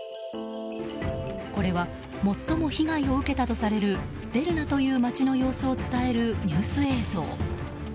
これは最も被害を受けたとされるデルナという町の様子を伝えるニュース映像。